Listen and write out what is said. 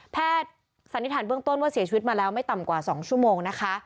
สันนิษฐานเบื้องต้นว่าเสียชีวิตมาแล้วไม่ต่ำกว่า๒ชั่วโมงนะคะ